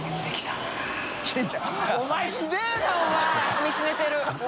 かみしめてる。